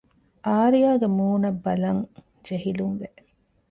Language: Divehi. އާރްޔާގެ މޫނަށް ބަލަން ޖެހިލުންވެ